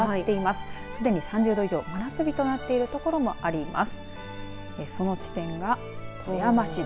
すでに３０度以上真夏日となっている所もあります。